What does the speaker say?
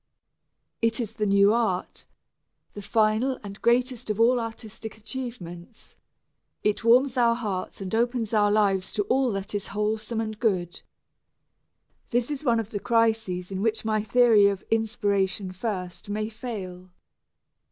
It is the new art, the final and greatest of all artistic achievements; it warms our hearts and opens our lives to all that is wholesome and good. This is one of the crises in which my theory of "inspiration first" may fail.